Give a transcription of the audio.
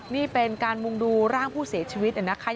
นี่เป็นการมุ่งดูร่างผู้เสียชีวิตนะคะ